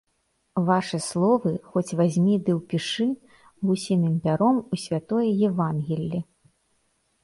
Вашы словы хоць вазьмі ды ўпішы гусіным пяром у святое евангелле.